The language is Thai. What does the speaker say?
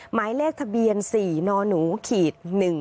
หมายเลขทะเบียน๔นหนูขีด๑๔